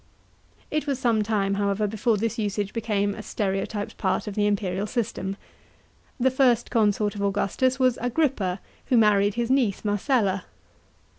It was some time, however, before this usage became a stereo typed part of the imperial system. The first consort of Augustus was Agrippa, who married his niece Marcella.